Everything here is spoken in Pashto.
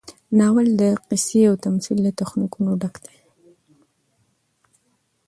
ناول د قصې او تمثیل له تخنیکونو ډک دی.